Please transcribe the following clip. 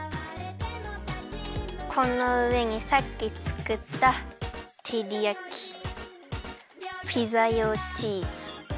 このうえにさっきつくったてりやきピザ用チーズ。